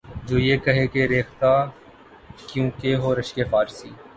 جو یہ کہے کہ ’’ ریختہ کیوں کہ ہو رشکِ فارسی؟‘‘